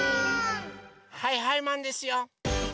はいはいマンですよ！